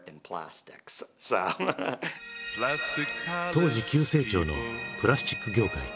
当時急成長のプラスチック業界。